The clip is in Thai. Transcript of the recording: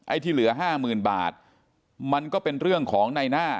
ที่เหลือห้าหมื่นบาทมันก็เป็นเรื่องของในหน้า